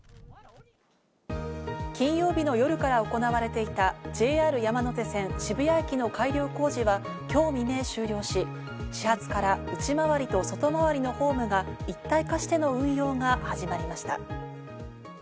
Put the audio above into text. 金曜日の夜から行われていたＪＲ山手線・渋谷駅の改良工事は今日未明終了し、始発から内回りと外回りのホームが一体化しての運用が始まりました。